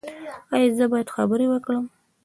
ایا زه باید خبرې وکړم؟